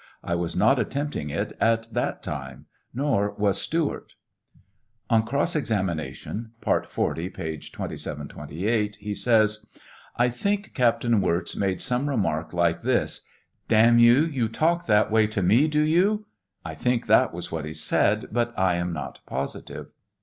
I was not attempting it at that time, nor was Stewart. On cross examination, (part 40, p. 2728,) he says : I think Captain Wirz made some remark like this :" Damn you, you talk that way to me do yon ?" 1 think that was what he said, but I am not positive.